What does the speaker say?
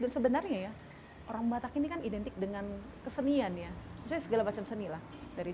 dan sebenarnya ya orang batak ini kan identik dengan kesenian ya segala macam seni lah dari